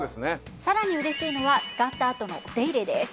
さらに嬉しいのは使ったあとのお手入れです。